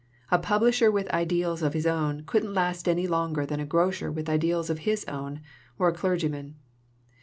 A publisher with ideals of his own couldn't last any longer than a grocer with ideals of his own, or a clergyman.